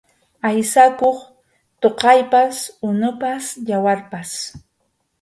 Aysakuq thuqaypas, unupas, yawarpas.